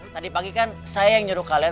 tadi pagi kan saya yang nyuruh kalian